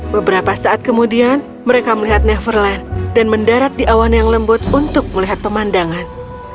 beberapa saat kemudian mereka melihat neverland dan mendarat di awan yang lembut untuk melihat pemandangan